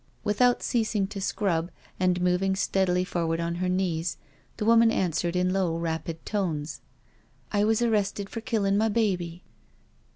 '* Without ceasing to scrub, and moving steadily for ward on her knees, the woman answered in low, rapid tones :'• I was arrested for killin* my baby.